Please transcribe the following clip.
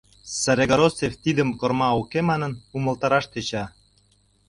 Царегородцев тидым корма уке манын умылтараш тӧча.